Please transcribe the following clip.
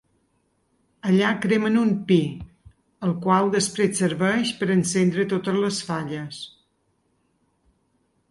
Allà cremen un pi, el qual després serveix per a encendre totes les falles.